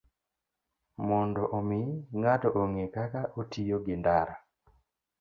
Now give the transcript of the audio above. Mondo omi ng'ato ong'e kaka otiyo gi ndara,